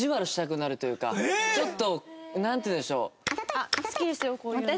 ちょっとなんていうんでしょう。